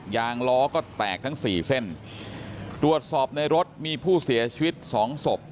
ยางล้อก็แตกทั้งสี่เส้นตรวจสอบในรถมีผู้เสียชีวิตสองศพ